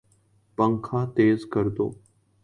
پنکھا تیز کردو